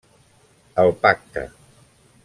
El Pacte.